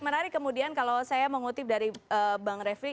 menarik kemudian kalau saya mengutip dari bang refli